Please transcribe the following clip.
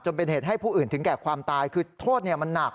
เป็นเหตุให้ผู้อื่นถึงแก่ความตายคือโทษมันหนัก